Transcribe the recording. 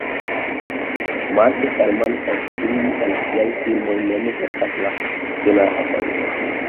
Mark Herman por ĉiuj el siaj filmoj mem verkas la scenarojn.